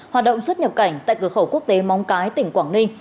hoạt động xuất nhập cảnh tại cửa khẩu quốc tế móng cái tỉnh quảng ninh